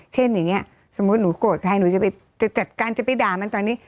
เช่นอย่างนี้สมมุติหนูโกรธใครหนูจะจัดการจะไปด่ามันตอนนี้